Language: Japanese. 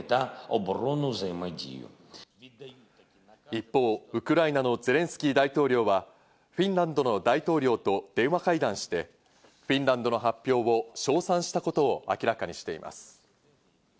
一方、ウクライナのゼレンスキー大統領はフィンランドの大統領と電話会談して、フィンランドの発表を称賛したことを明らかにしています。